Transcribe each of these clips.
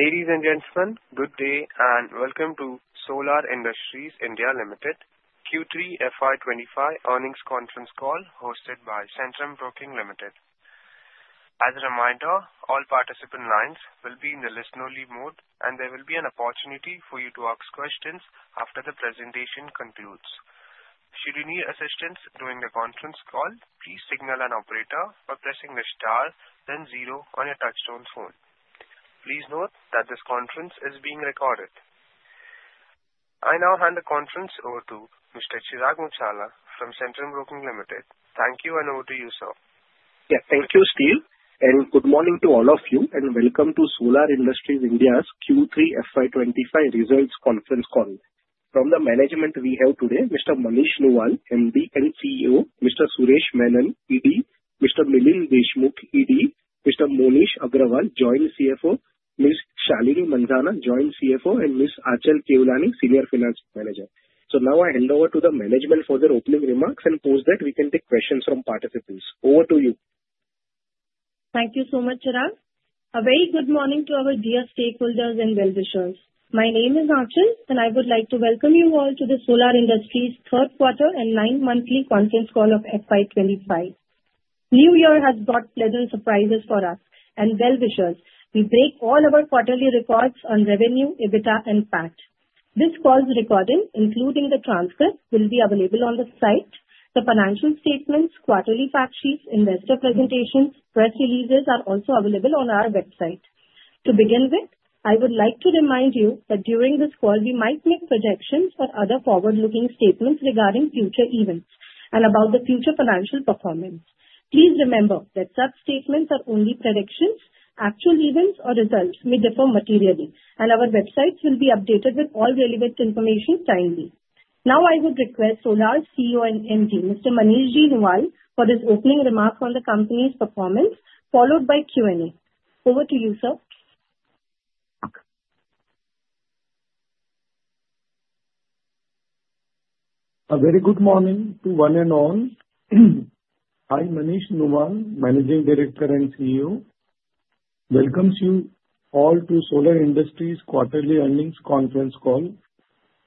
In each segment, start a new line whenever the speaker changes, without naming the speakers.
Ladies and gentlemen, good day and welcome to Solar Industries India Limited Q3 FY25 earnings conference call hosted by Centrum Broking Limited. As a reminder, all participant lines will be in the listen-only mode, and there will be an opportunity for you to ask questions after the presentation concludes. Should you need assistance during the conference call, please signal an operator by pressing the star, then zero on your touch-tone phone. Please note that this conference is being recorded. I now hand the conference over to Mr. Chirag Muchhala from Centrum Broking Limited. Thank you, and over to you, sir.
Yes, thank you, Steve. And good morning to all of you, and welcome to Solar Industries India's Q3 FY25 results conference call. From the management we have today, Mr. Manish Nuwal, MD and CEO, Mr. Suresh Menon, ED, Mr. Milind Deshmukh, ED, Mr. Moneesh Agrawal, Joint CFO, Ms. Shalinee Mandhana, Joint CFO, and Ms. Aanchal Kewlani, Senior Finance Manager. So now I hand over to the management for their opening remarks and post that we can take questions from participants. Over to you.
Thank you so much, Chirag. A very good morning to our dear stakeholders and well-wishers. My name is Aanchal, and I would like to welcome you all to the Solar Industries third quarter and nine-monthly conference call of FY25. New Year has brought pleasant surprises for us, and well-wishers. We break all our quarterly records on revenue, EBITDA, and PAT. This call's recording, including the transcript, will be available on the site. The financial statements, quarterly fact sheets, investor presentations, and press releases are also available on our website. To begin with, I would like to remind you that during this call, we might make projections for other forward-looking statements regarding future events and about the future financial performance. Please remember that such statements are only predictions. Actual events or results may differ materially, and our websites will be updated with all relevant information timely. Now, I would request Solar's CEO and MD, Mr. Manish Nuwal, for his opening remarks on the company's performance, followed by Q&A. Over to you, sir.
A very good morning to one and all. I'm Manish Nuwal, Managing Director and CEO. Welcome to all to Solar Industries quarterly earnings conference call.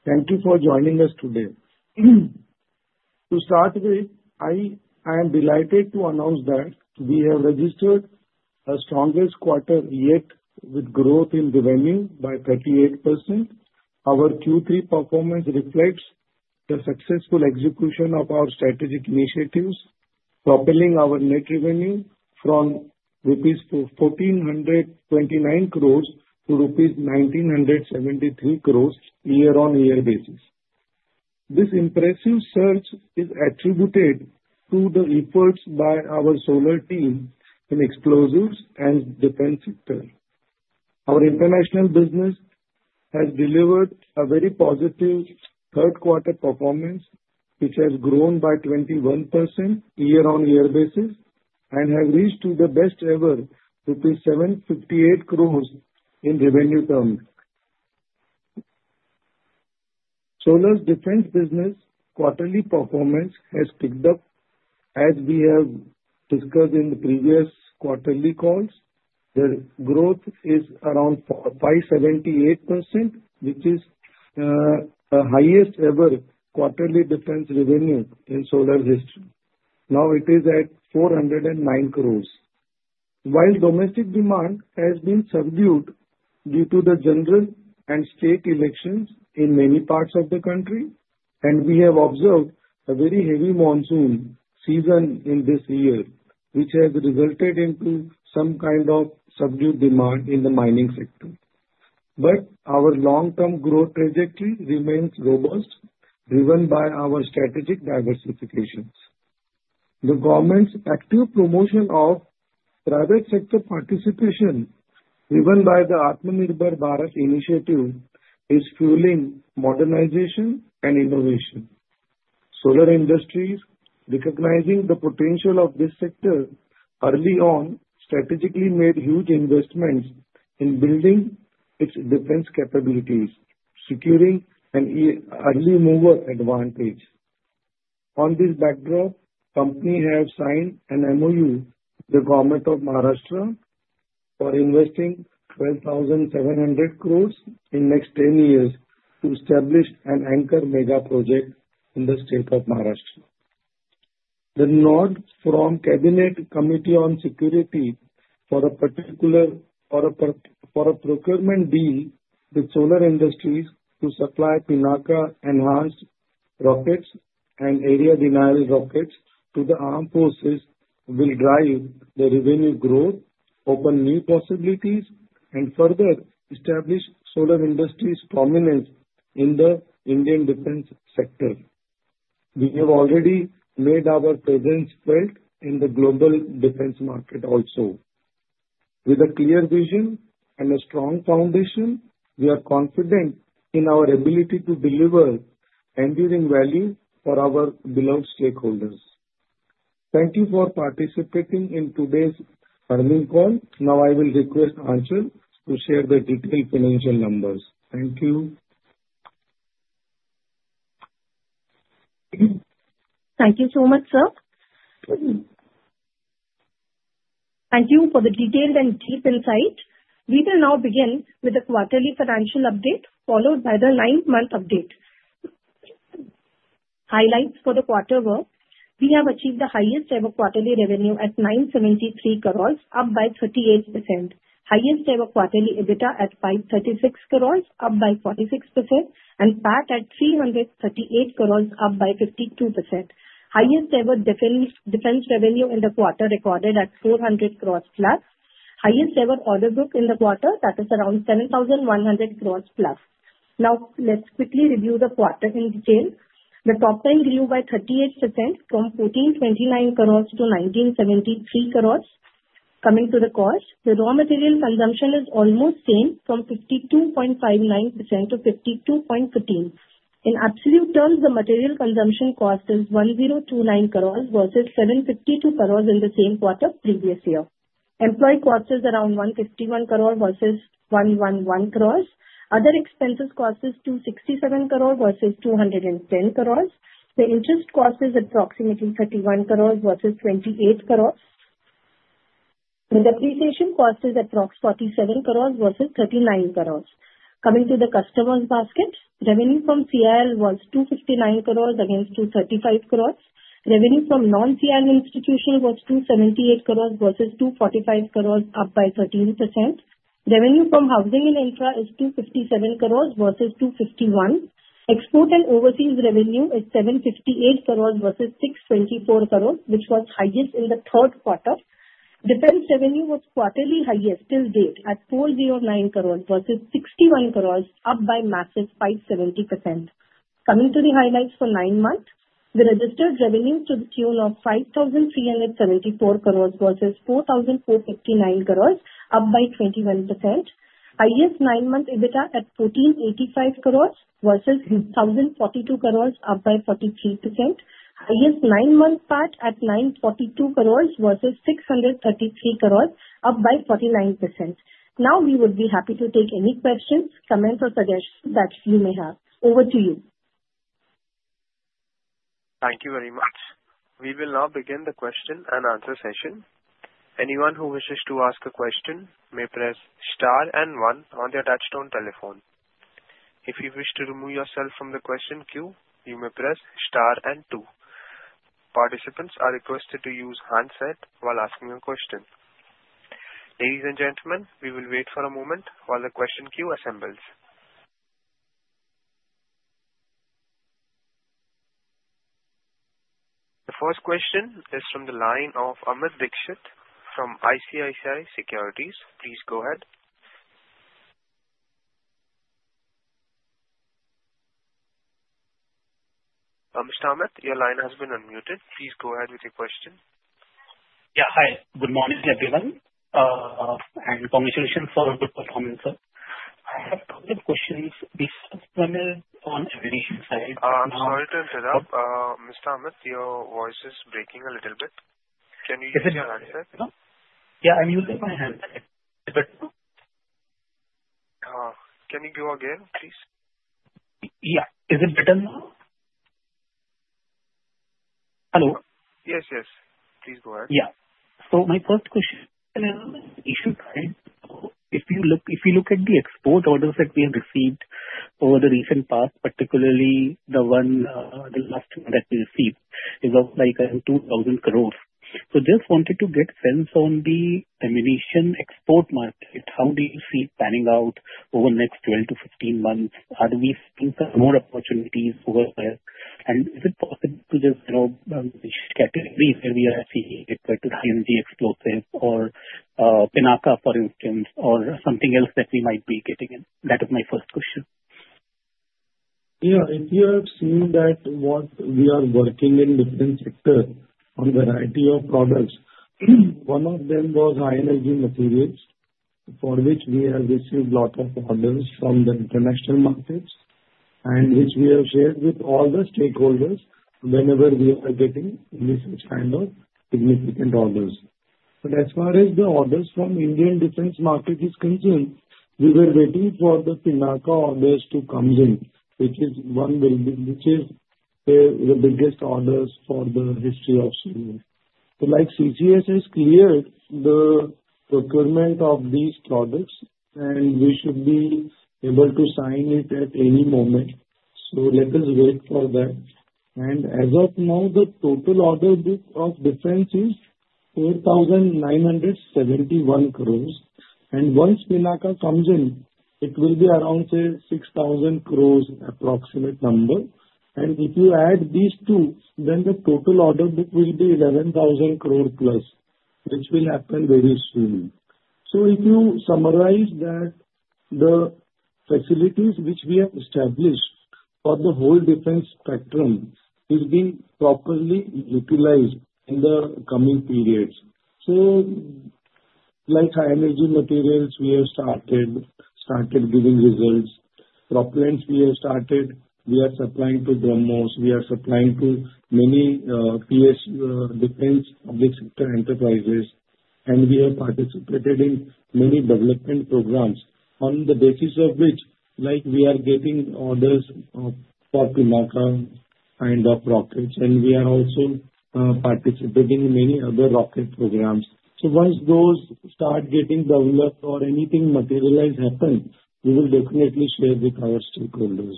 Thank you for joining us today. To start with, I am delighted to announce that we have registered a strongest quarter yet with growth in revenue by 38%. Our Q3 performance reflects the successful execution of our strategic initiatives, propelling our net revenue from rupees 1,429 crores to rupees 1,973 crores year-on-year basis. This impressive surge is attributed to the efforts by our Solar team in explosives and defense sector. Our international business has delivered a very positive third-quarter performance, which has grown by 21% year-on-year basis and has reached the best-ever rupees 758 crores in revenue terms. Solar's defense business quarterly performance has picked up. As we have discussed in the previous quarterly calls, the growth is around 578%, which is the highest-ever quarterly defense revenue in Solar history. Now, it is at 409 crores. While domestic demand has been subdued due to the general and state elections in many parts of the country, and we have observed a very heavy monsoon season in this year, which has resulted in some kind of subdued demand in the mining sector. But our long-term growth trajectory remains robust, driven by our strategic diversification. The government's active promotion of private sector participation, driven by the Atmanirbhar Bharat initiative, is fueling modernization and innovation. Solar Industries, recognizing the potential of this sector early on, strategically made huge investments in building its defense capabilities, securing an early-mover advantage. On this backdrop, the company has signed an MOU with the Government of Maharashtra for investing ₹12,700 crores in the next 10 years to establish an anchor mega project in the state of Maharashtra. The nod from Cabinet Committee on Security for a procurement deal with Solar Industries to supply Pinaka enhanced rockets and area-denial rockets to the armed forces will drive the revenue growth, open new possibilities, and further establish Solar Industries' prominence in the Indian defense sector. We have already made our presence felt in the global defense market also. With a clear vision and a strong foundation, we are confident in our ability to deliver enduring value for our beloved stakeholders. Thank you for participating in today's earnings call. Now, I will request Aanchal to share the detailed financial numbers. Thank you.
Thank you so much, sir. Thank you for the detailed and deep insight. We will now begin with the quarterly financial update, followed by the nine-month update. Highlights for the quarter were: we have achieved the highest-ever quarterly revenue at ₹973 crores, up by 38%; highest-ever quarterly EBITDA at ₹536 crores, up by 46%; and PAT at ₹338 crores, up by 52%; highest-ever defense revenue in the quarter recorded at ₹400 crores plus; highest-ever order book in the quarter, that is around ₹7,100 crores plus. Now, let's quickly review the quarter in detail. The top line grew by 38% from ₹1,429 crores to ₹1,973 crores coming to the cost. The raw material consumption is almost the same, from 52.59% to 52.13%. In absolute terms, the material consumption cost is ₹1,029 crores versus ₹752 crores in the same quarter previous year. Employee cost is around ₹151 crores versus ₹111 crores. Other expenses cost is 267 crores versus 210 crores. The interest cost is approximately 31 crores versus 28 crores. The depreciation cost is approximately 47 crores versus 39 crores. Coming to the customers' basket, revenue from CIL was 259 crores against 235 crores. Revenue from non-CIL institutions was 278 crores versus 245 crores, up by 13%. Revenue from housing and infra is 257 crores versus 251. Export and overseas revenue is 758 crores versus 624 crores, which was highest in the third quarter. Defense revenue was quarterly highest till date at 409 crores versus 61 crores, up by a massive 570%. Coming to the highlights for nine months, the registered revenue to the tune of 5,374 crores versus 4,459 crores, up by 21%. Highest nine-month EBITDA at 1,485 crores versus 1,042 crores, up by 43%. Highest nine-month PAT at 942 crores versus 633 crores, up by 49%. Now, we would be happy to take any questions, comments, or suggestions that you may have. Over to you.
Thank you very much. We will now begin the question and answer session. Anyone who wishes to ask a question may press star and one on the touch-tone telephone. If you wish to remove yourself from the question queue, you may press star and two. Participants are requested to use handset while asking a question. Ladies and gentlemen, we will wait for a moment while the question queue assembles. The first question is from the line of Amit Dixit from ICICI Securities. Please go ahead. Amit Amit, your line has been unmuted. Please go ahead with your question.
Yeah, hi. Good morning, everyone. Congratulations for a good performance, sir. I have a couple of questions. This one is on revenue side.
I'm sorry to interrupt. Mr. Amit, your voice is breaking a little bit. Can you use your handset?
Is it better now? Yeah, I'm using my handset a bit.
Can you go again, please?
Yeah. Is it better now? Hello?
Yes, yes. Please go ahead.
Yeah. So my first question is, if you look at the export orders that we have received over the recent past, particularly the last one that we received, it was like 2,000 crores. So just wanted to get a sense on the international export market. How do you see it panning out over the next 12-15 months? Are we seeing some more opportunities over there? And is it possible to just give the categories that we are seeing such as high-energy explosives or Pinaka, for instance, or something else that we might be getting in? That is my first question.
Yeah. If you have seen that what we are working in different sectors on a variety of products. One of them was high-energy materials, for which we have received a lot of orders from the international markets and which we have shared with all the stakeholders whenever we are getting such kind of significant orders, but as far as the orders from the Indian defense market is concerned, we were waiting for the Pinaka orders to come in, which is one will be which is the biggest orders for the history of Solar. So like CCS has cleared the procurement of these products, and we should be able to sign it at any moment. So let us wait for that, and as of now, the total order book of defense is 4,971 crores. And once Pinaka comes in, it will be around, say, 6,000 crores approximate number. And if you add these two, then the total order book will be ₹11,000 crore plus, which will happen very soon. So if you summarize that, the facilities which we have established for the whole defense spectrum is being properly utilized in the coming periods. So like high-energy materials, we have started giving results. Propellants, we have started. We are supplying to BrahMos. We are supplying to many PS defense public sector enterprises. And we have participated in many development programs on the basis of which, like we are getting orders for Pinaka kind of rockets. And we are also participating in many other rocket programs. So once those start getting developed or anything materialize happen, we will definitely share with our stakeholders.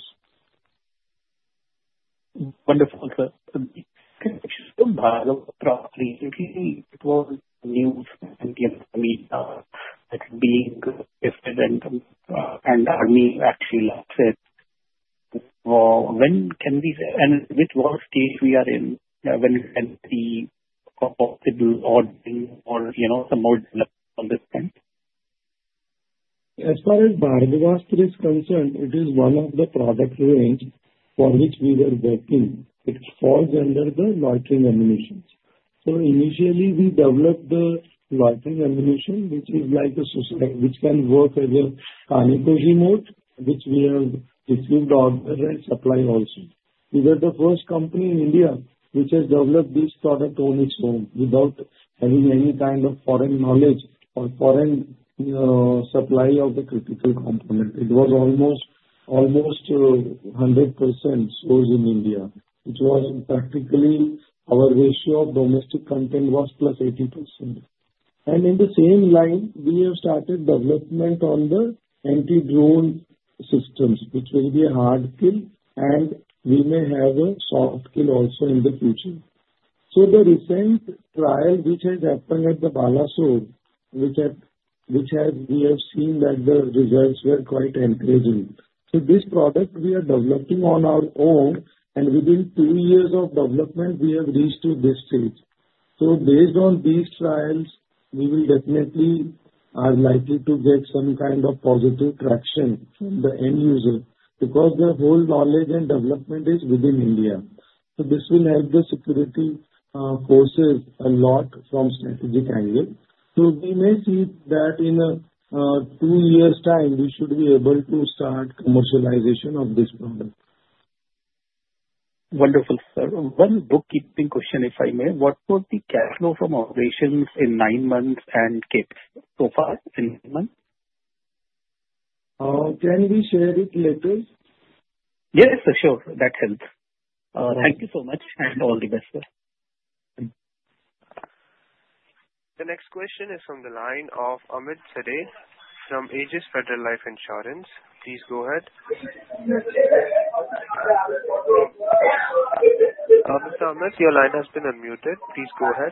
Wonderful, sir. Can you just go back properly? It was news from India that being gifted and army actually laughs at. When can we say and which worst case we are in when we can see a possible ordering or some more development on this point?
As far as Nagastra is concerned, it is one of the product range for which we were working. It falls under the loitering munitions. So initially, we developed the loitering ammunition, which is like a suicide which can work as a kamikaze mode, which we have received order and supply also. We were the first company in India which has developed this product on its own without having any kind of foreign knowledge or foreign supply of the critical component. It was almost 100% sourced in India, which was practically our ratio of domestic content was plus 80%. And in the same line, we have started development on the anti-drone systems, which will be a hard kill, and we may have a soft kill also in the future. So the recent trial which has happened at the Balasore, which we have seen that the results were quite encouraging. This product we are developing on our own, and within two years of development, we have reached to this stage. Based on these trials, we will definitely are likely to get some kind of positive traction from the end user because the whole knowledge and development is within India. This will help the security forces a lot from a strategic angle. We may see that in a two years' time, we should be able to start commercialization of this product.
Wonderful, sir. One bookkeeping question, if I may. What was the cash flow from operations in nine months and capex so far in nine months?
Can we share it later?
Yes, sure. That helps. Thank you so much and all the best, sir.
The next question is from the line of Amit Zade from Aegis Federal Life Insurance. Please go ahead. Mr. Amit, your line has been unmuted. Please go ahead.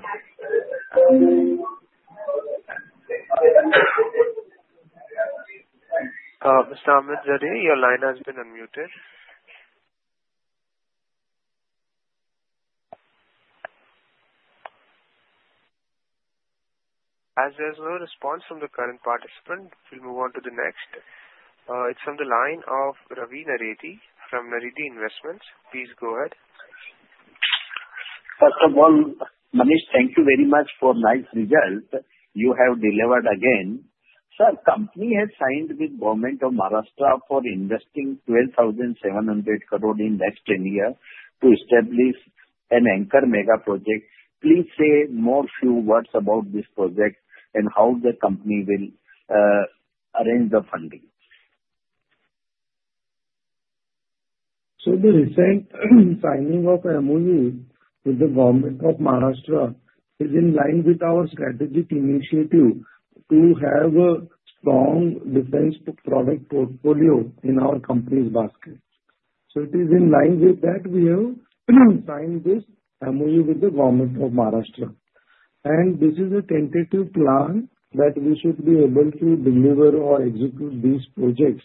Mr. Amit Zade, your line has been unmuted. As there is no response from the current participant, we'll move on to the next. It's from the line of Ravi Naredi from Naredi Investments. Please go ahead.
First of all, Manish, thank you very much for nice results you have delivered again. Sir, the company has signed with the Government of Maharashtra for investing 12,700 crore in the next 10 years to establish an anchor mega project. Please say more few words about this project and how the company will arrange the funding.
The recent signing of MOU with the Government of Maharashtra is in line with our strategic initiative to have a strong defense product portfolio in our company's basket. It is in line with that we have signed this MOU with the Government of Maharashtra. This is a tentative plan that we should be able to deliver or execute these projects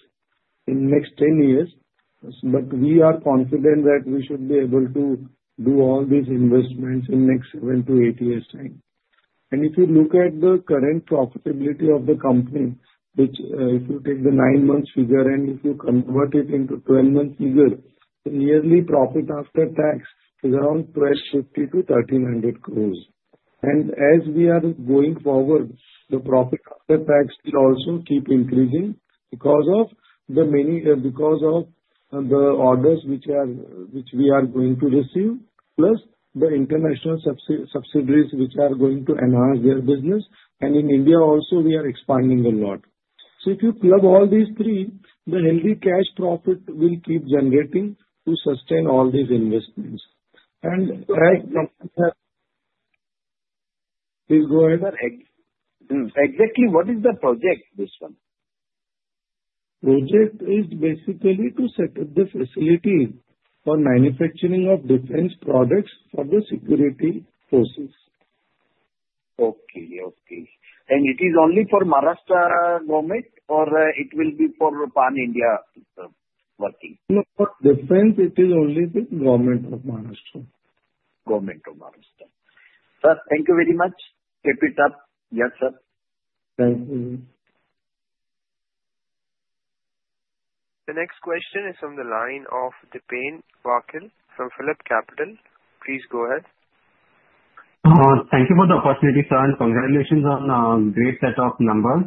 in the next 10 years. We are confident that we should be able to do all these investments in the next 7-8 years' time. If you look at the current profitability of the company, which if you take the nine-month figure and if you convert it into a 12-month figure, the yearly profit after tax is around 1,250-1,300 crores. As we are going forward, the profit after tax will also keep increasing because of the orders which we are going to receive plus the international subsidiaries which are going to enhance their business. In India also, we are expanding a lot. So if you plug all these three, the healthy cash profit will keep generating to sustain all these investments.
Exactly, what is the project, this one?
Project is basically to set up the facility for manufacturing of defense products for the security forces.
And it is only for Maharashtra government, or it will be for Pan India working?
No, defense, it is only the Government of Maharashtra. Government of Maharashtra.
Sir, thank you very much. Keep it up. Yes, sir.
Thank you.
The next question is from the line of Dipen Vakil from PhillipCapital. Please go ahead.
Thank you for the opportunity, sir, and congratulations on a great set of numbers.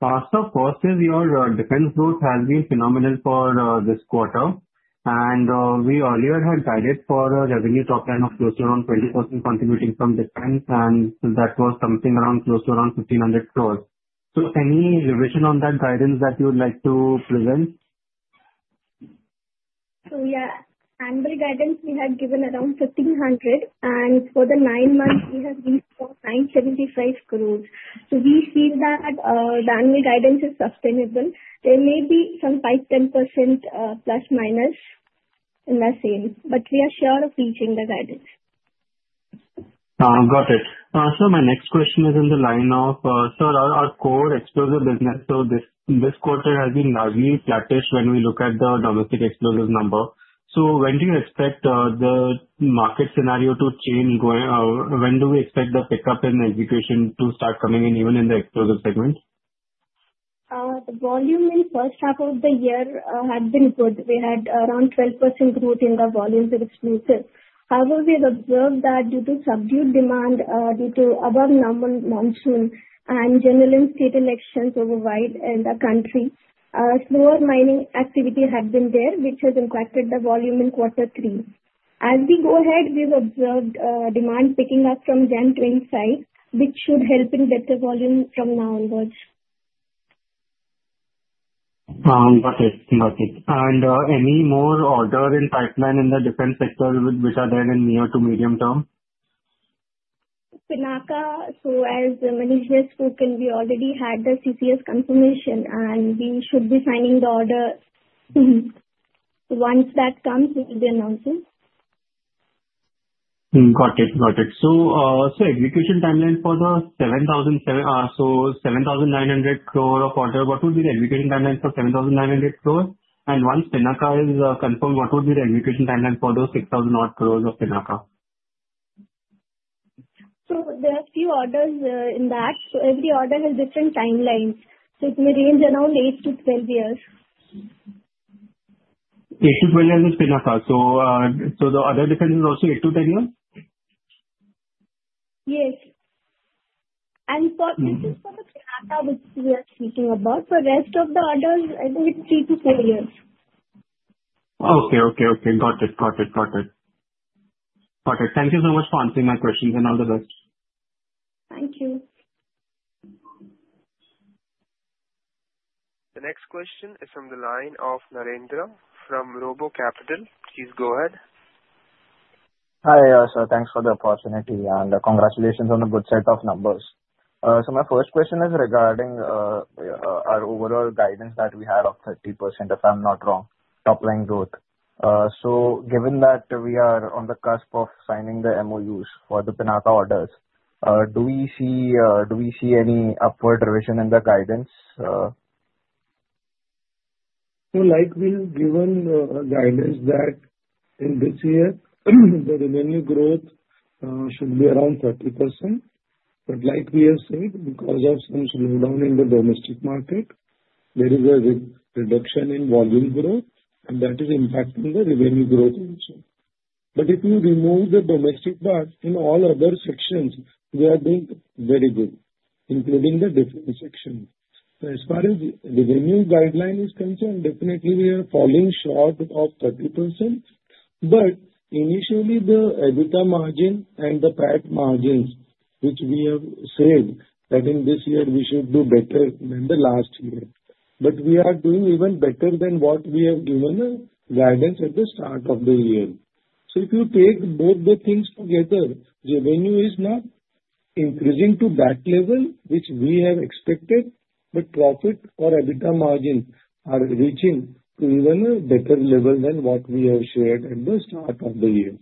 First, of course, your defense growth has been phenomenal for this quarter, and we earlier had guided for a revenue top line of close to around 20% contributing from defense, and that was something around close to around 1,500 crores, so any revision on that guidance that you would like to present?
So yeah, annual guidance we had given around 1,500. And for the nine months, we have reached 975 crores. So we feel that the annual guidance is sustainable. There may be some 5-10% plus minus in the same. But we are sure of reaching the guidance.
Got it. So my next question is in the line of, sir, our core explosive business. So this quarter has been largely flattish when we look at the domestic explosive number. So when do you expect the market scenario to change? When do we expect the pickup in the execution to start coming in even in the explosive segment?
The volume in the first half of the year had been good. We had around 12% growth in the volume of explosives. However, we have observed that due to subdued demand due to above-normal monsoon and general state elections overwhelming the country, slower mining activity had been there, which has impacted the volume in quarter three. As we go ahead, we've observed demand picking up from FY25, which should help in better volume from now onwards.
Got it, got it. And any more orders in the pipeline in the defense sector which are there in the near- to medium-term?
Pinaka, so as Manish has spoken, we already had the CCS confirmation, and we should be signing the order. Once that comes, we'll be announcing.
Got it, got it. So execution timeline for the 7,900 crore of order, what would be the execution timeline for 7,900 crore? And once Pinaka is confirmed, what would be the execution timeline for the 6,000 crores of Pinaka?
There are a few orders in that. Every order has different timelines. It may range around 8-12 years.
Eight to 12 years with Pinaka. So the other defense is also eight to 10 years?
Yes, and for the Pinaka, which we are speaking about, for the rest of the orders, I think it's three to four years.
Okay, okay, okay. Got it, got it, got it. Got it. Thank you so much for answering my questions and all the best.
Thank you.
The next question is from the line of Narendra from Robo Capital. Please go ahead.
Hi, sir. Thanks for the opportunity. And congratulations on a good set of numbers. So my first question is regarding our overall guidance that we have of 30%, if I'm not wrong, top line growth. So given that we are on the cusp of signing the MOUs for the Pinaka orders, do we see any upward revision in the guidance?
So, like we've given guidance that in this year, the revenue growth should be around 30%. But, like we have said, because of some slowdown in the domestic market, there is a reduction in volume growth, and that is impacting the revenue growth also. But if you remove the domestic part, in all other sections, we are doing very good, including the defense section. So as far as the revenue guideline is concerned, definitely we are falling short of 30%. But initially, the EBITDA margin and the PAT margins, which we have said that in this year we should do better than the last year. But we are doing even better than what we have given guidance at the start of the year. So if you take both the things together, revenue is not increasing to that level which we have expected, but profit or EBITDA margin are reaching to even a better level than what we have shared at the start of the year.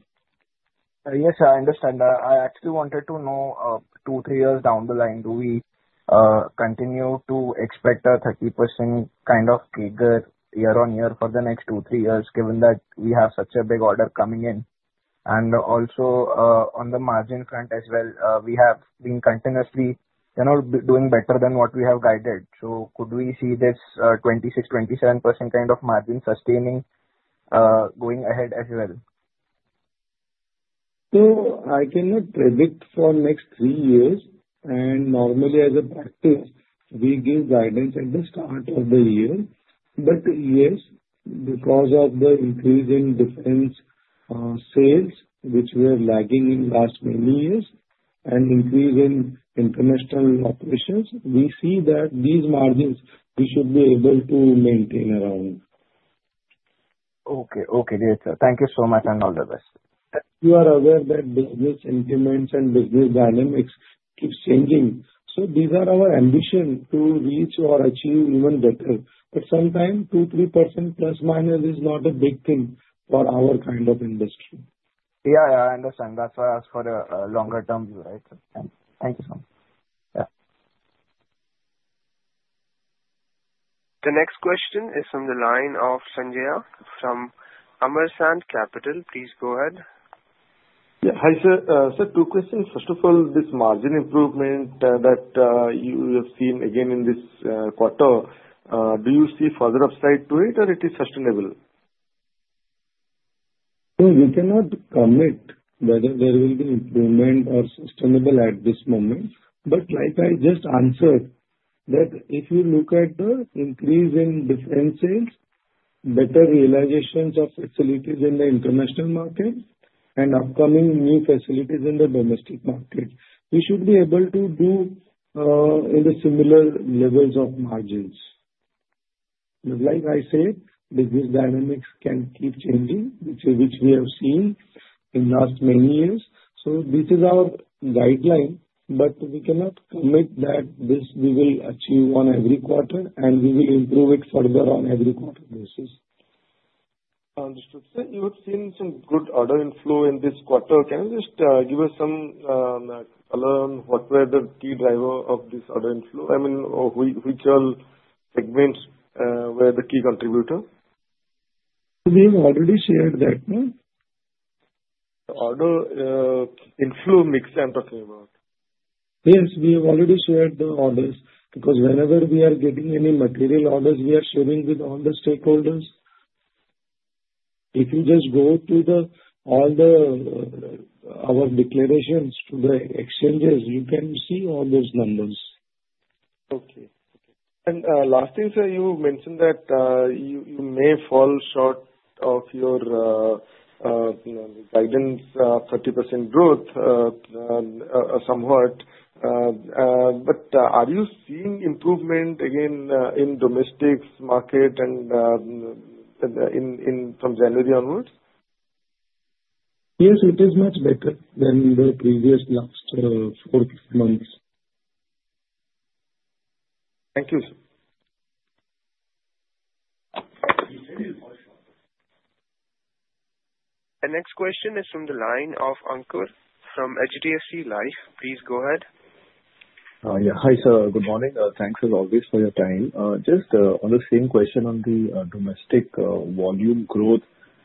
Yes, I understand. I actually wanted to know two or three years down the line, do we continue to expect a 30% kind of figure year-on-year for the next two or three years, given that we have such a big order coming in? And also on the margin front as well, we have been continuously doing better than what we have guided. So could we see this 26%, 27% kind of margin sustaining going ahead as well?
So I cannot predict for next three years. And normally, as a practice, we give guidance at the start of the year. But yes, because of the increase in defense sales, which we are lagging in the last many years, and increase in international operations, we see that these margins we should be able to maintain around.
Okay, okay. Thank you so much and all the best.
You are aware that business increments and business dynamics keep changing. So these are our ambitions to reach or achieve even better. But sometimes 2%, 3% plus minus is not a big thing for our kind of industry.
Yeah, yeah, I understand. That's why I ask for a longer term view, right? Thank you so much. Yeah.
The next question is from the line of Sanjaya Satapathy from Ampersand Capital. Please go ahead.
Yeah, hi sir. Sir, two questions. First of all, this margin improvement that you have seen again in this quarter, do you see further upside to it, or is it sustainable?
So we cannot comment whether there will be improvement or sustainable at this moment. But like I just answered, that if you look at the increase in defense sales, better realizations of facilities in the international market, and upcoming new facilities in the domestic market, we should be able to do in the similar levels of margins. Like I said, business dynamics can keep changing, which we have seen in the last many years. So this is our guideline. But we cannot commit that this we will achieve on every quarter, and we will improve it further on every quarter basis.
Understood. Sir, you have seen some good order inflow in this quarter. Can you just give us some color on what were the key driver of this order inflow? I mean, which all segments were the key contributor?
We have already shared that.
The order inflow mix I'm talking about?
Yes, we have already shared the orders. Because whenever we are getting any material orders, we are sharing with all the stakeholders. If you just go to all our declarations to the exchanges, you can see all those numbers.
Okay, okay. And last thing, sir, you mentioned that you may fall short of your guidance of 30% growth somewhat. But are you seeing improvement again in domestic market and from January onwards?
Yes, it is much better than the previous last four months.
Thank you, sir.
The next question is from the line of Ankur from HDFC Life. Please go ahead.
Yeah, hi sir. Good morning. Thanks as always for your time. Just on the same question on the domestic volume growth,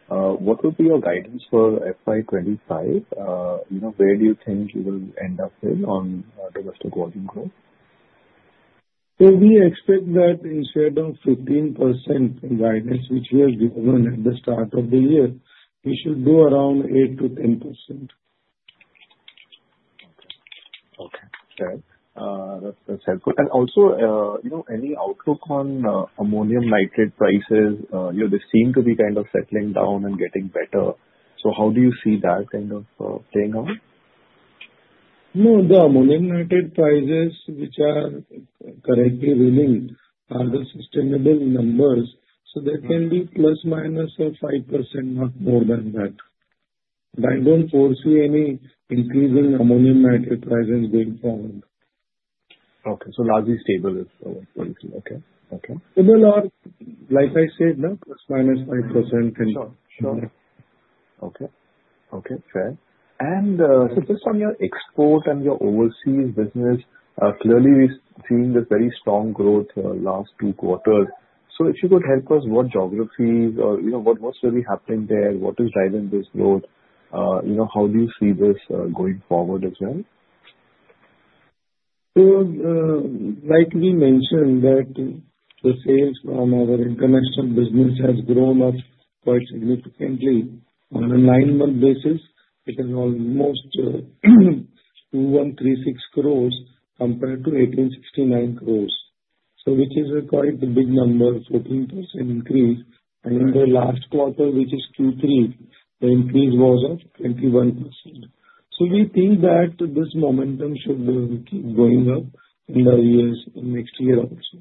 what would be your guidance for FY25? Where do you think you will end up with on domestic volume growth?
We expect that instead of 15% guidance, which we have given at the start of the year, we should do around 8%-10%.
Okay, okay. Sir, that's helpful. And also, any outlook on ammonium nitrate prices? They seem to be kind of settling down and getting better. So how do you see that kind of playing out?
No, the ammonium nitrate prices, which are currently running are the sustainable numbers. So there can be plus minus of 5%, not more than that. But I don't foresee any increasing ammonium nitrate prices going forward.
Okay. So largely stable is what you're looking for? Okay, okay.
Stable or, like I said, plus minus 5%.
Sure, sure. Okay, okay. Fair. And just on your export and your overseas business, clearly we've seen this very strong growth last two quarters. So if you could help us, what geographies or what's really happening there? What is driving this growth? How do you see this going forward as well?
So like we mentioned, that the sales from our international business has grown up quite significantly. On a nine-month basis, it is almost 2,136 crores compared to 1,869 crores. So which is quite a big number, 14% increase. And in the last quarter, which is Q3, the increase was of 21%. So we think that this momentum should keep going up in the years in next year also.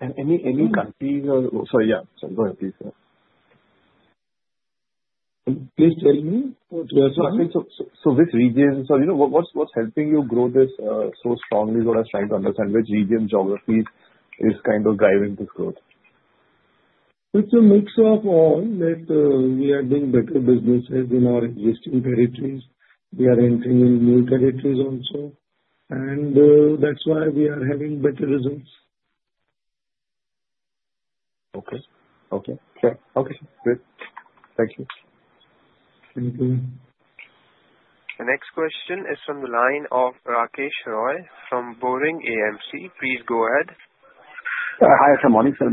And any countries or, sorry, yeah. Sorry, go ahead, please.
Please tell me.
So which region? So what's helping you grow this so strongly? What I was trying to understand, which region, geography is kind of driving this growth?
It's a mix of all that we are doing better businesses in our existing territories. We are entering in new territories also. And that's why we are having better results.
Okay, okay. Fair. Okay, great. Thank you.
Thank you.
The next question is from the line of Rakesh Roy from Omkara Capital. Please go ahead.
Hi, good morning, sir.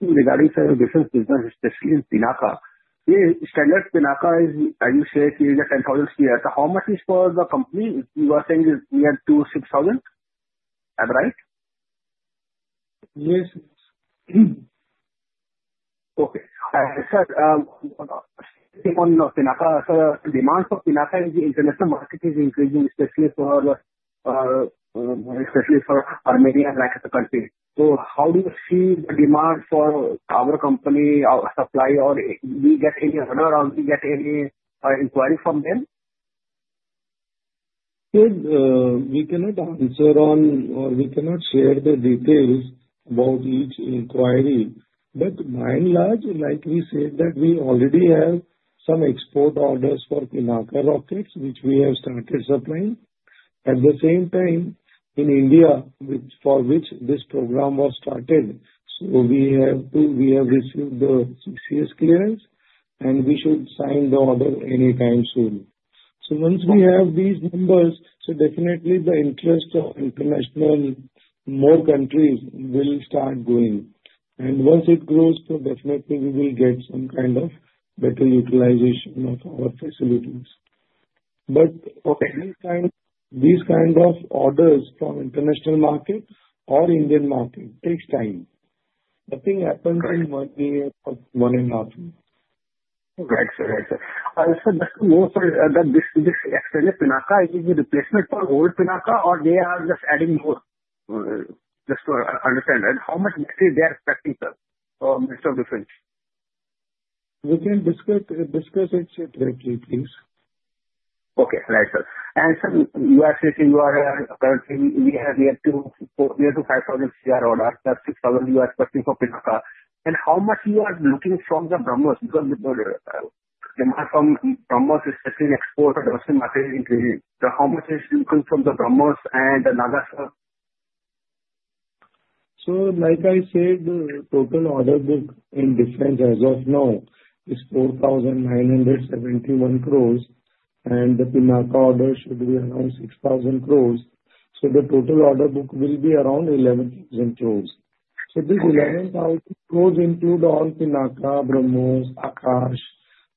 Regarding, sir, defense business, especially in Pinaka, the standard Pinaka is, as you said, 10,000 square. How much is for the company? You were saying we had to 6,000. Am I right?
Yes.
Okay. Sir, keep on Pinaka. Sir, the demand for Pinaka in the international market is increasing, especially for Armenia and like the country. So how do you see the demand for our company, our supply, or do you get any order or do you get any inquiry from them?
So we cannot answer on or we cannot share the details about each inquiry. But by and large, like we said, that we already have some export orders for Pinaka rockets, which we have started supplying. At the same time, in India, for which this program was started, so we have received the CCS clearance, and we should sign the order anytime soon. So once we have these numbers, so definitely the interest of international more countries will start growing. And once it grows, so definitely we will get some kind of better utilization of our facilities. But these kinds of orders from international market or Indian market takes time. Nothing happens in one year or one and a half years.
Right, sir. Sir, just to go further, this enhancement of Pinaka, is it the replacement for old Pinaka, or they are just adding more? Just to understand, how much material they are expecting, sir, for defense?
We can discuss it separately, please.
Okay. Right, sir. And sir, you are saying you are currently we have to 5,000 crore orders, plus 6,000 you are expecting for Pinaka. And how much you are looking from the BrahMos? Because demand from BrahMos is export, domestic market is increasing. So how much is looking from the BrahMos and Nagastra?
Like I said, the total order book in defense as of now is 4,971 crores, and the Pinaka order should be around 6,000 crores. The total order book will be around 11,000 crores. These 11,000 crores include all Pinaka, BrahMos, Akash,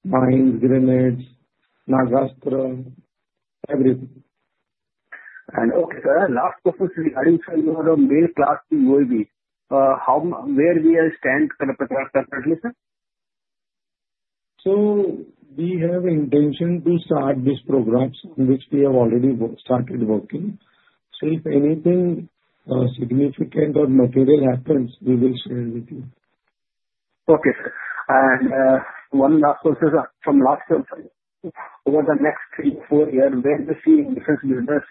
mines, grenades, Nagastra, everything.
And okay, sir, last question to you. Are you sure you have access to UAV? Where do you stand currently, sir?
So we have intention to start these programs on which we have already started working. So if anything significant or material happens, we will share with you.
Okay, sir, and one last question from last question. Over the next three, four years, where do you see defense business,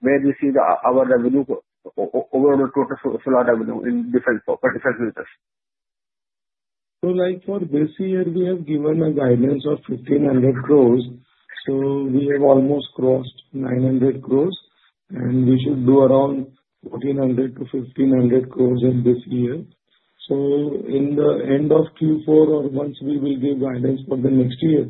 where do you see our revenue overall total revenue in defense business?
So, like for this year, we have given a guidance of 1,500 crores. So we have almost crossed 900 crores, and we should do around 1,400-1,500 crores in this year. So in the end of Q4 or once we will give guidance for the next year,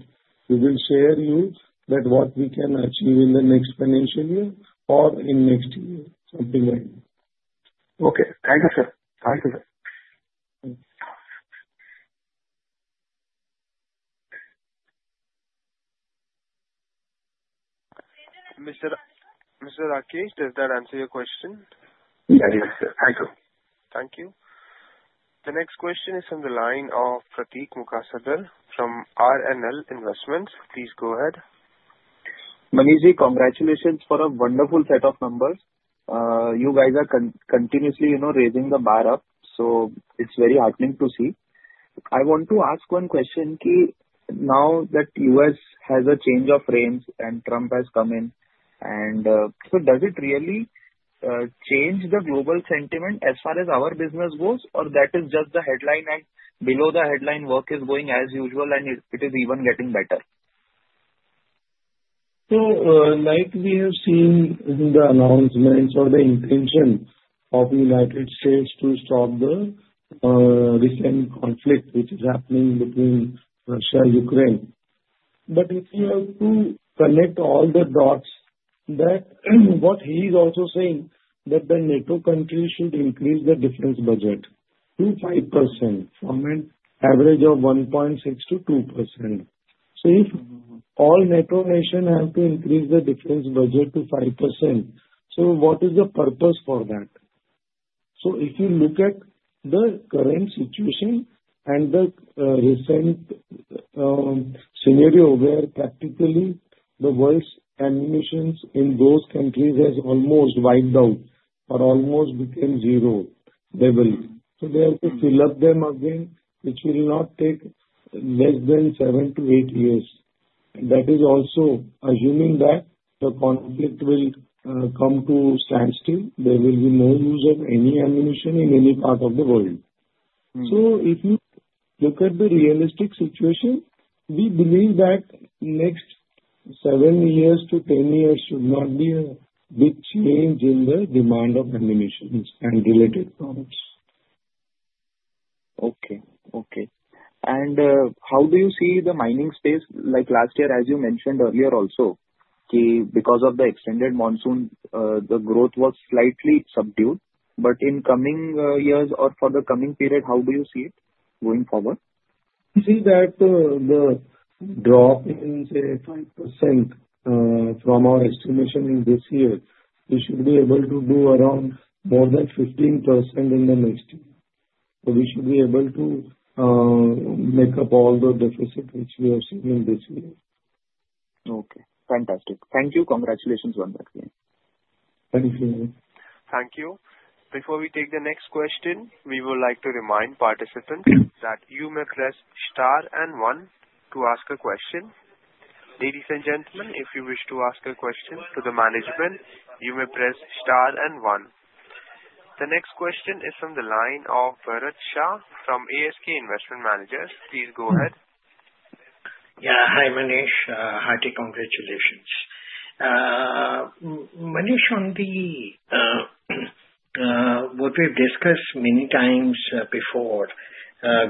we will share you that what we can achieve in the next financial year or in next year, something like that.
Okay. Thank you, sir. Thank you, sir.
Mr. Rakesh, does that answer your question?
Yeah, yes, sir. Thank you.
Thank you. The next question is from the line of Pratik Mukasdar from RNL Investments. Please go ahead.
Manishji, congratulations for a wonderful set of numbers. You guys are continuously raising the bar up, so it's very heartening to see. I want to ask one question. Now that U.S. has a change of reins and Trump has come in, so does it really change the global sentiment as far as our business goes, or that is just the headline and below the headline work is going as usual and it is even getting better?
So, like we have seen in the announcements or the intention of the United States to stop the recent conflict which is happening between Russia and Ukraine. But if you have to connect all the dots, that's what he is also saying that the NATO countries should increase the defense budget to 5% from an average of 1.6%-2%. So if all NATO nations have to increase the defense budget to 5%, so what is the purpose for that? So if you look at the current situation and the recent scenario where practically the war's ammunition in those countries has almost wiped out or almost became zero level. So they have to fill up them again, which will not take less than seven to eight years. That is also assuming that the conflict will come to a standstill. There will be no use of any ammunition in any part of the world. If you look at the realistic situation, we believe that next 7-10 years should not be a big change in the demand of ammunitions and related products.
Okay, okay. And how do you see the mining space? Like last year, as you mentioned earlier also, because of the extended monsoon, the growth was slightly subdued. But in coming years or for the coming period, how do you see it going forward?
You see that the drop in, say, 5% from our estimation in this year, we should be able to do around more than 15% in the next year. So we should be able to make up all the deficit which we are seeing this year.
Okay. Fantastic. Thank you. Congratulations, one more time.
Thank you.
Thank you. Before we take the next question, we would like to remind participants that you may press star and one to ask a question. Ladies and gentlemen, if you wish to ask a question to the management, you may press star and one. The next question is from the line of Bharat Shah from ASK Investment Managers. Please go ahead.
Yeah. Hi, Manish. Hearty congratulations. Manish, on what we've discussed many times before,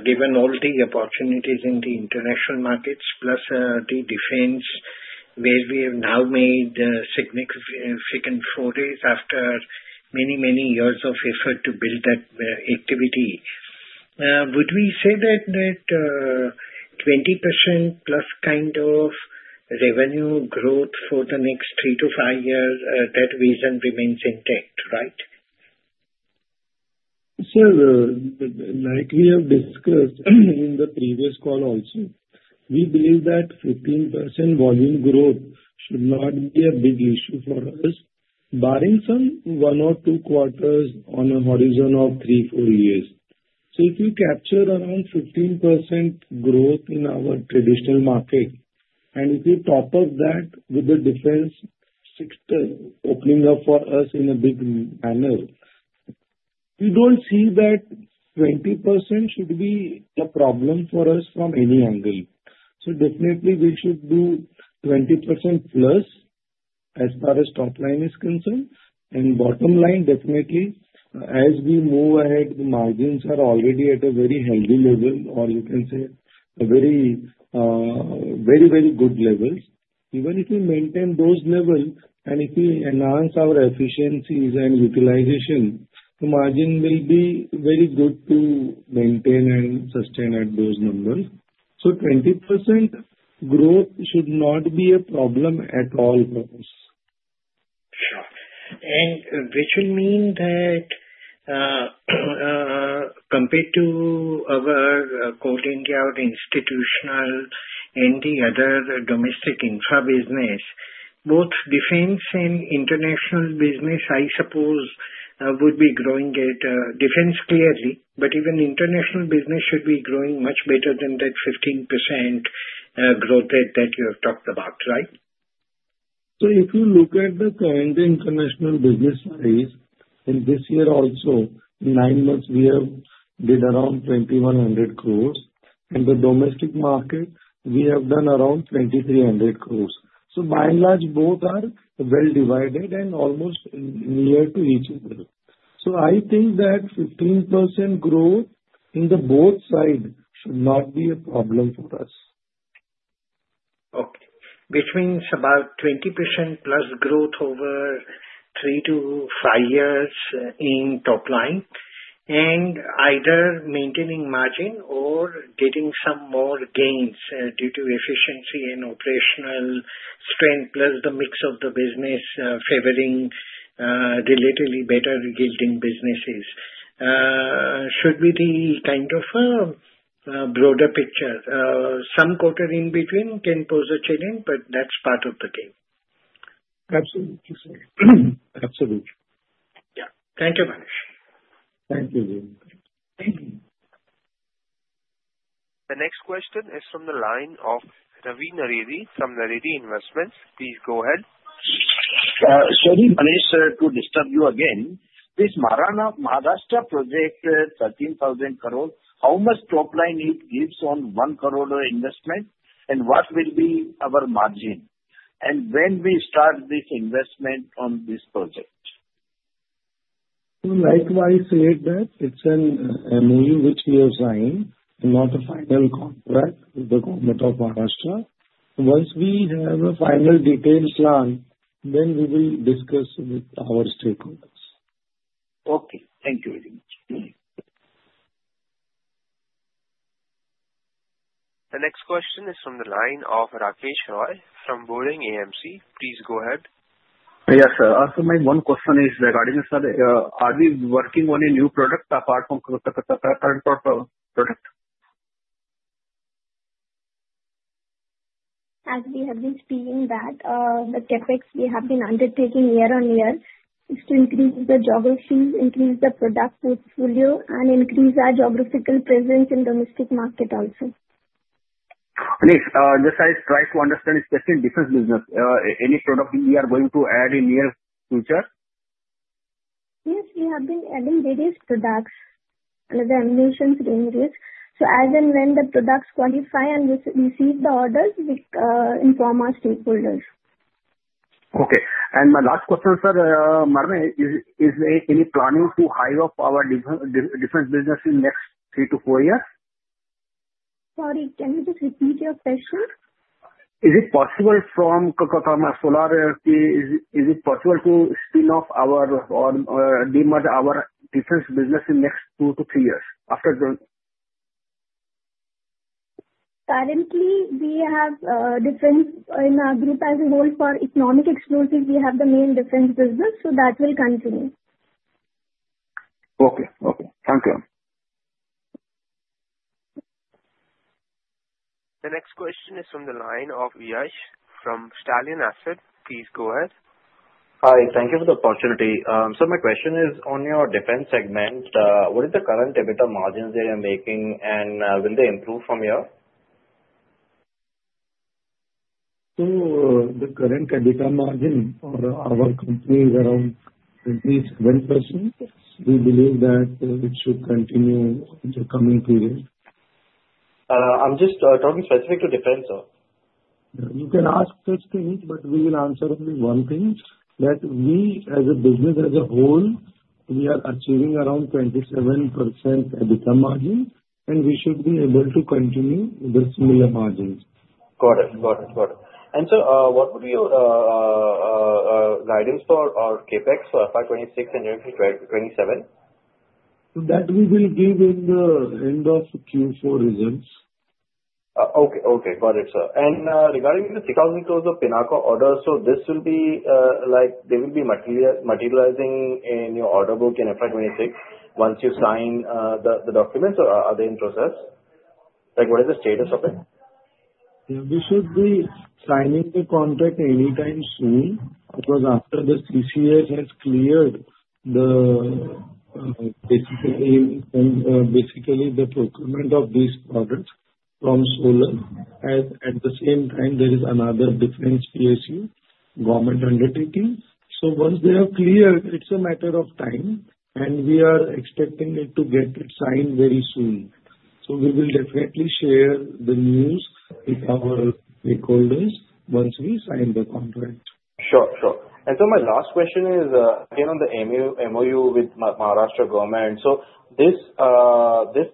given all the opportunities in the international markets, plus the defense where we have now made significant progress after many, many years of effort to build that activity, would we say that 20% plus kind of revenue growth for the next three to five years, that vision remains intact, right?
Sir, like we have discussed in the previous call also, we believe that 15% volume growth should not be a big issue for us, barring some one or two quarters on a horizon of three, four years. So if you capture around 15% growth in our traditional market, and if you top up that with the defense opening up for us in a big manner, we don't see that 20% should be a problem for us from any angle. So definitely we should do 20% plus as far as top line is concerned, and bottom line, definitely, as we move ahead, the margins are already at a very healthy level, or you can say a very, very good level. Even if we maintain those levels and if we enhance our efficiencies and utilization, the margin will be very good to maintain and sustain at those numbers. So 20% growth should not be a problem at all for us.
Sure. And which will mean that compared to our quote and guarantee institutional and the other domestic infra business, both defense and international business, I suppose, would be growing at defense clearly, but even international business should be growing much better than that 15% growth that you have talked about, right?
So if you look at the current international business space, in this year also, in nine months, we have did around 2,100 crores. And the domestic market, we have done around 2,300 crores. So by and large, both are well divided and almost near to each other. So I think that 15% growth in the both sides should not be a problem for us.
Okay. Which means about 20% plus growth over three to five years in top line, and either maintaining margin or getting some more gains due to efficiency and operational strength, plus the mix of the business favoring relatively better yielding businesses, should be the kind of broader picture. Some quarter in between can pose a challenge, but that's part of the game.
Absolutely, sir. Absolutely.
Yeah. Thank you, Manish.
Thank you.
The next question is from the line of Ravi Naredi from Naredi Investments. Please go ahead.
Sorry, Manish, to disturb you again. This Maharashtra project, 13,000 crores, how much top line it gives on one crore investment, and what will be our margin, and when we start this investment on this project?
Like what I said, that it's an MOU which we are signing, not a final contract with the Government of Maharashtra. Once we have a final detailed plan, then we will discuss with our stakeholders.
Okay. Thank you very much.
The next question is from the line of Rakesh Roy from Omkara Capital. Please go ahead.
Yes, sir. My one question is regarding, sir, are we working on a new product apart from current product?
As we have been speaking that the topics we have been undertaking year-on-year is to increase the geography, increase the product portfolio, and increase our geographical presence in domestic market also.
Manish, just I try to understand, especially in defense business, any product we are going to add in near future?
Yes, we have been adding various products and the ammunition ranges, so as and when the products qualify and receive the orders, we inform our stakeholders.
Okay, and my last question, sir, is there any planning to ramp up our defense business in the next three-to-four years?
Sorry, can you just repeat your question?
Is it possible from Kokottama Solar Energy, is it possible to spin off or demerge our defense business in the next two to three years?
Currently, we have defense in our group as a whole for Economic Explosives. We have the main defense business, so that will continue.
Okay. Okay. Thank you.
The next question is from the line of Yash from Stallion Asset. Please go ahead.
Hi. Thank you for the opportunity. So my question is on your defense segment, what is the current EBITDA margins that you're making, and will they improve from here?
The current EBITDA margin for our company is around 20%. We believe that it should continue in the coming period.
I'm just talking specific to defense, sir.
You can ask such things, but we will answer only one thing, that we as a business as a whole, we are achieving around 27% EBITDA margin, and we should be able to continue with similar margins.
Got it. Got it. Got it. And sir, what would be your guidance for our CapEx for FY 26 and 27?
That we will give in the end of Q4 results.
Okay. Okay. Got it, sir. And regarding the 3,000 crores of Pinaka orders, so this will be like they will be materializing in your order book in FY26 once you sign the documents, or are they in process? Like what is the status of it?
Yeah. We should be signing the contract anytime soon because after the CCS has cleared basically the procurement of these products from Solar, and at the same time, there is another defense PSU government undertaking. So once they are cleared, it's a matter of time, and we are expecting it to get it signed very soon. So we will definitely share the news with our stakeholders once we sign the contract.
Sure. Sure. And so my last question is again on the MOU with Maharashtra government. So this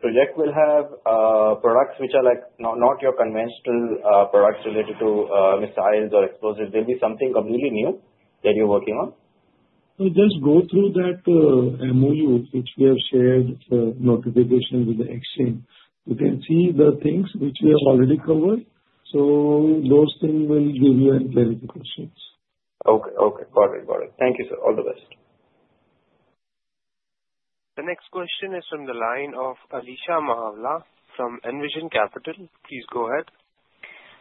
project will have products which are not your conventional products related to missiles or explosives. Will it be something completely new that you're working on?
So just go through that MOU which we have shared for notification with the exchange. You can see the things which we have already covered. So those things will give you very good questions.
Okay. Okay. Got it. Got it. Thank you, sir. All the best.
The next question is from the line of Alisha Mahawla from Envision Capital. Please go ahead.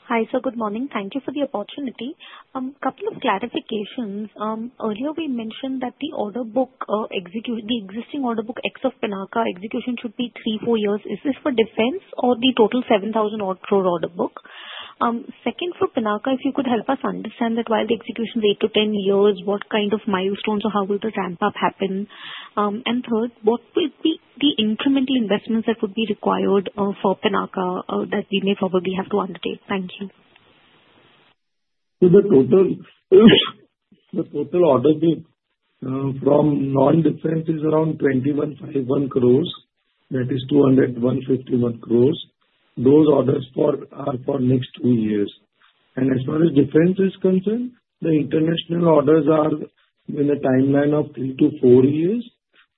Hi. So good morning. Thank you for the opportunity. A couple of clarifications. Earlier, we mentioned that the order book, the existing order book ex of Pinaka execution should be 3-4 years. Is this for defense or the total 7,000 crore order book? Second, for Pinaka, if you could help us understand that while the execution is 8-10 years, what kind of milestones or how will the ramp-up happen? And third, what will be the incremental investments that would be required for Pinaka that we may probably have to undertake? Thank you.
The total order book from non-defense is around 2,151 crores. That is 2,151 crores. Those orders are for next two years. And as far as defense is concerned, the international orders are in a timeline of three to four years.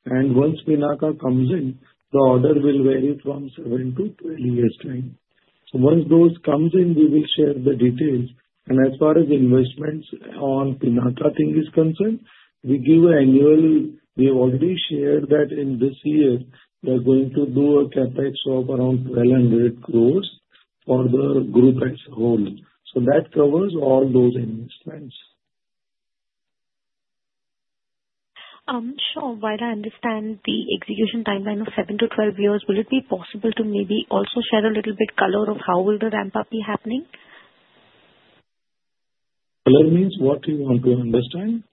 And once Pinaka comes in, the order will vary from 7 to 12 years' time. So once those come in, we will share the details. And as far as investments on Pinaka thing is concerned, we give an annual we have already shared that in this year, we are going to do a CapEx of around 1,200 crores for the group as a whole. So that covers all those investments.
Sure. While I understand the execution timeline of seven to 12 years, will it be possible to maybe also share a little bit color of how will the ramp-up be happening?
Color means what you want to understand?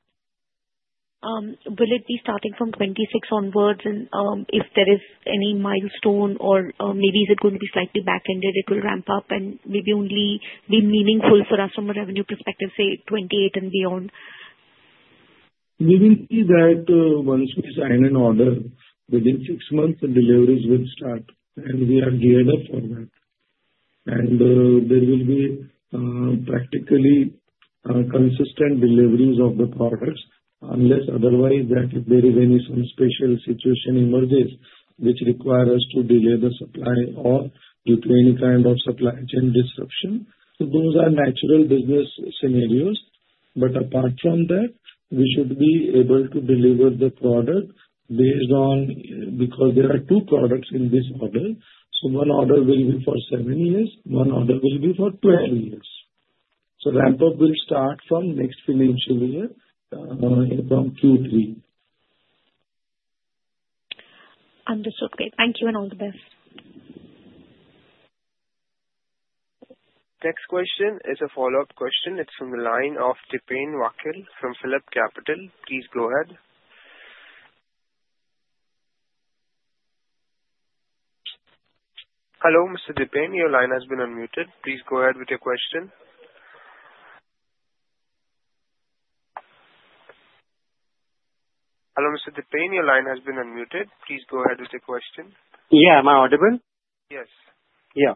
Will it be starting from 2026 onwards and if there is any milestone or maybe is it going to be slightly back-ended, it will ramp up and maybe only be meaningful for us from a revenue perspective, say 2028 and beyond?
We will see that once we sign an order, within six months, the deliveries will start, and we are geared up for that. And there will be practically consistent deliveries of the products unless otherwise that if there is any special situation emerges which requires us to delay the supply or due to any kind of supply chain disruption. So those are natural business scenarios. But apart from that, we should be able to deliver the product based on because there are two products in this order. So one order will be for seven years. One order will be for 12 years. So ramp-up will start from next financial year from Q3.
Understood. Great. Thank you and all the best.
Next question is a follow-up question. It's from the line of Dipen Vakil from PhillipCapital. Please go ahead. Hello, Mr. Dipen. Your line has been unmuted. Please go ahead with your question.
Yeah. Am I audible?
Yes.
Yeah.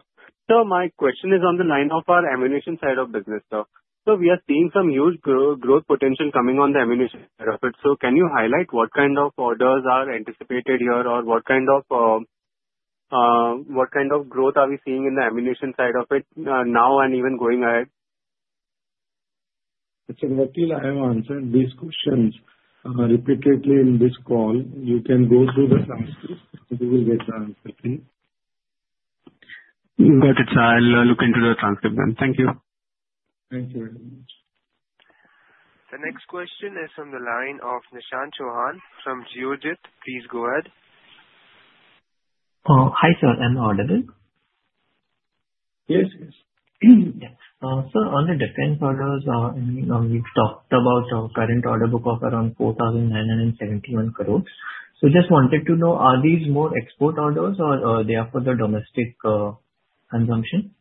So my question is along the lines of our ammunition side of business, sir. So we are seeing some huge growth potential coming on the ammunition side of it. So can you highlight what kind of orders are anticipated here or what kind of growth are we seeing in the ammunition side of it now and even going ahead?
Actually, until I have answered these questions repeatedly in this call, you can go through the transcript, and you will get the answer.
Got it, sir. I'll look into the transcript then. Thank you.
Thank you very much.
The next question is from the line of Nishant Chauhan from Geojit. Please go ahead.
Hi, sir. I'm audible.
Yes, yes.
Sir, on the defense orders, we've talked about our current order book of around 4,971 crores. So just wanted to know, are these more export orders or they are for the domestic consumption?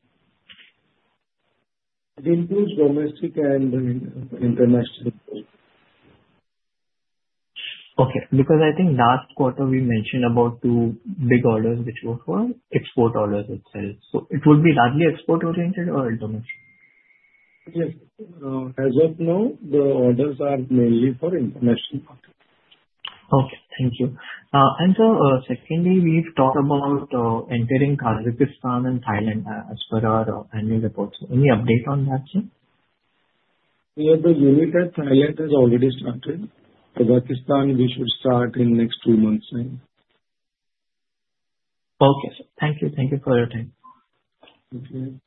They include domestic and international.
Okay. Because I think last quarter, we mentioned about two big orders which were for export orders itself, so it would be largely export-oriented or international?
Yes. As of now, the orders are mainly for international.
Okay. Thank you. And sir, secondly, we've talked about entering Kazakhstan and Thailand as per our annual reports. Any update on that, sir?
We have the unit that Thailand has already started. Kazakhstan, we should start in the next two months' time.
Okay, sir. Thank you. Thank you for your time.
Thank you.
Thank you.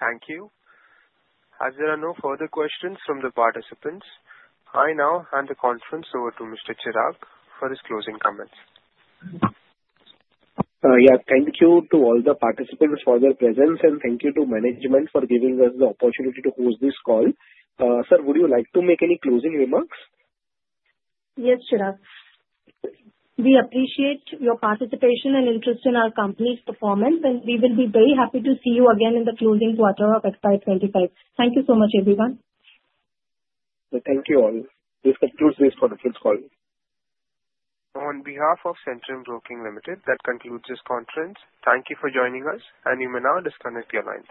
Are there any further questions from the participants? I now hand the conference over to Mr. Chirag for his closing comments.
Yeah. Thank you to all the participants for their presence, and thank you to management for giving us the opportunity to host this call. Sir, would you like to make any closing remarks?
Yes, Chirag. We appreciate your participation and interest in our company's performance, and we will be very happy to see you again in the closing quarter of FY25. Thank you so much, everyone.
Thank you all. This concludes this quarter's call.
On behalf of Centrum Broking Limited, that concludes this conference. Thank you for joining us, and you may now disconnect your lines.